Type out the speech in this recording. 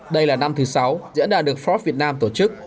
đây là năm thứ sáu diễn đàn được forbes việt nam tổ chức